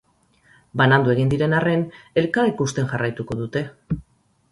Banandu egin diren arren elkar ikusten jarraituko dute.